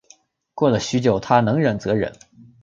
过了许久她能忍则忍